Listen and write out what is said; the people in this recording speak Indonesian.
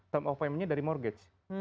term of payment nya dari mortgage